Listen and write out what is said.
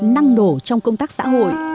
năng nổ trong công tác xã hội